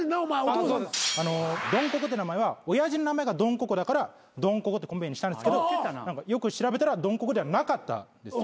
ドンココって名前は親父の名前がドンココだからドンココってコンビ名にしたんですけどよく調べたらドンココではなかったんですよ。